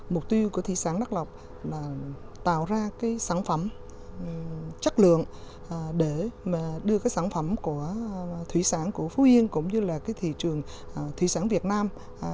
mục tiêu của thị sản đắc lộc là tạo ra cái sản phẩm chất lượng để mà đưa cái sản phẩm của thị sản của phú yên cũng như là cái thị trường thị sản việt nam